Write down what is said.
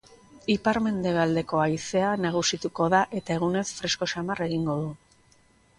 Ipar-mendebaldeko haizea nagusituko da eta egunez fresko samar egingo du.